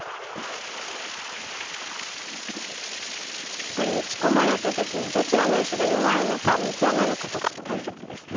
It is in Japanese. やっぱり打ち込まれた時にどちらの石が弱いのかを見極めることが大切ですね。